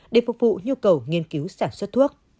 để phục vụ nhu cầu nghiên cứu sản xuất thuốc